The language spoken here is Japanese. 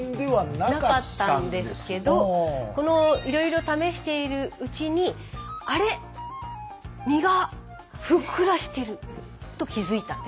なかったんですけどこのいろいろ試しているうちに「あれ？身がふっくらしてる」と気付いたんです。